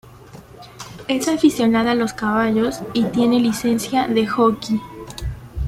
Es aficionada a los caballos y tiene licencia de jockey.